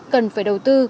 cần phải đầu tư